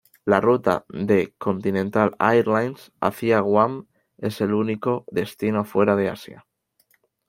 La ruta de Continental Airlines hacia Guam es el único destino fuera de Asia.